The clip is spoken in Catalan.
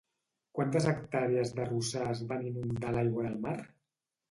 Quantes hectàrees d'arrossars va inundar l'aigua del mar?